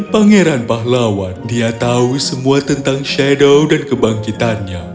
pangeran pahlawan dia tahu semua tentang shadow dan kebangkitannya